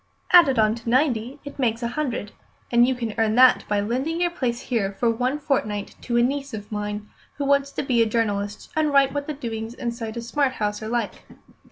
"Added on to ninety it makes a hundred, and you can earn that by lending your place here for one fortnight to a niece of mine, who wants to be a journalist and write what the doings inside a smart house are like.